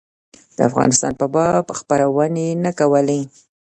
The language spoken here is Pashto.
د افغانستان په باب خپرونې نه کولې.